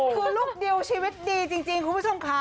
คือลูกดิวชีวิตดีจริงคุณผู้ชมค่ะ